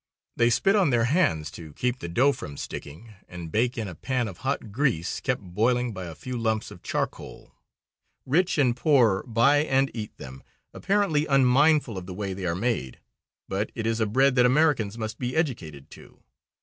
They spit on their hands to keep the dough from sticking, and bake in a pan of hot grease, kept boiling by a few lumps of charcoal. Rich and poor buy and eat them, apparently unmindful of the way they are made. But it is a bread that Americans must be educated to.